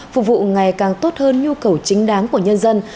phục vụ ngày càng tốt hơn nhu cầu chính đáng của nhân dân